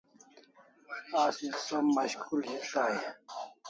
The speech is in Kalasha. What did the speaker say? Asi som mashkul his dai e?